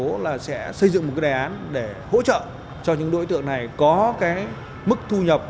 thành phố là sẽ xây dựng một cái đề án để hỗ trợ cho những đối tượng này có cái mức thu nhập